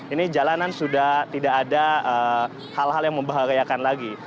ini jalanan sudah tidak ada hal hal yang membahayakan lagi